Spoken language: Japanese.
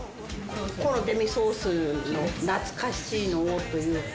このデミソースの懐かしいのというか。